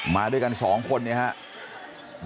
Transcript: มาด้วยกันสองคนนะครับ